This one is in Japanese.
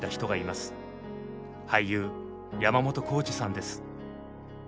俳優山本耕史さんです。